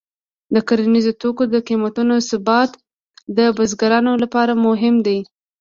د کرنیزو توکو د قیمتونو ثبات د بزګرانو لپاره مهم دی.